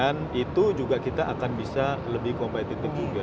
dan itu juga kita akan bisa lebih competitive juga